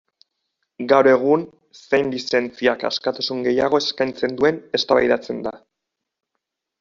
Gaur egun, zein lizentziak askatasun gehiago eskaintzen duen eztabaidatzen da.